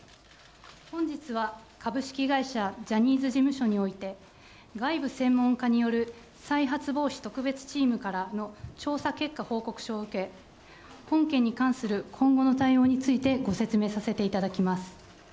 本日は、株式会社ジャニーズ事務所において、外部専門家による再発防止特別チームからの調査結果報告書を受け、本件に関する今後の対応についてご説明させていただきます。